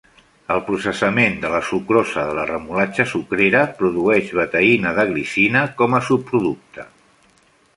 El processament de la sucrosa de la remolatxa sucrera produeix betaïna de glicina com a subproducte.